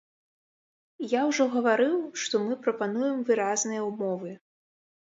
Я ўжо гаварыў, што мы прапануем выразныя ўмовы.